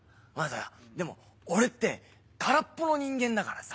でも俺って空っぽの人間だからさ。